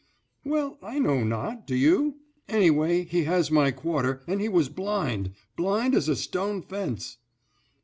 "Well, I know not, do you? Anyway he has my quarter, and he was blind—blind as a stone fence."